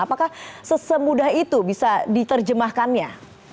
apakah sesemudah itu bisa diterjemahkannya